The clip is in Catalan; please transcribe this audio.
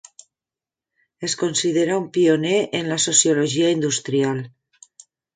Es considera un pioner en la sociologia industrial.